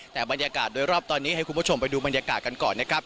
แต่บรรยากาศโดยรอบตอนนี้ให้คุณผู้ชมไปดูบรรยากาศกันก่อนนะครับ